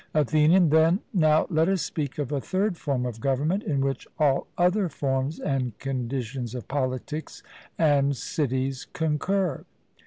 ATHENIAN: Then, now let us speak of a third form of government, in which all other forms and conditions of polities and cities concur.